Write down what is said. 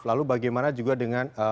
lalu bagaimana juga dengan